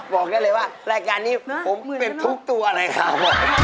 บอกได้เลยว่ารายการนี้ผมเป็นทุกตัวเลยครับ